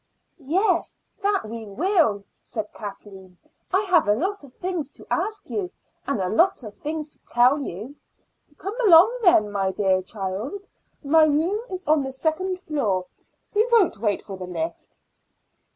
"Yes, that we will," said Kathleen. "I have a lot of things to ask you, and a lot of things to tell you." "Come along then, dear child. My room is on the second floor; we won't wait for the lift."